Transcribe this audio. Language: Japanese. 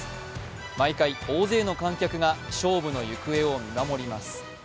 毎回、大勢の観客が勝負の行方を見守ります。